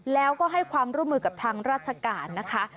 แล้วก็ให้ความร่วมมือกับทางราชการนะคะ